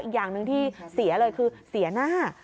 อย่างหนึ่งที่เสียเลยคือเสียหน้า